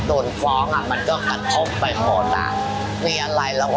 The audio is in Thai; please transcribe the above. โดนเป็นบุคคลล้มละลาย